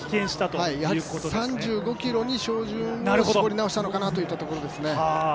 ３５ｋｍに照準を絞り直したのかなと思いますね。